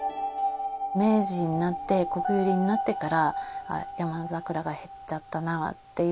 明治になって、国有林になってから、ヤマザクラが減っちゃったなっていう。